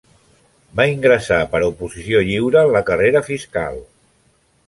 Va ingressar per oposició lliure en la carrera fiscal.